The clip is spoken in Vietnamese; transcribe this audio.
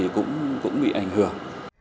cũng bị ảnh hưởng